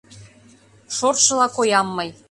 Шортшыла коям мый.